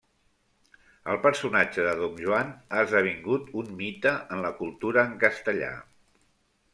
El personatge de dom Joan ha esdevingut un mite en la cultura en castellà.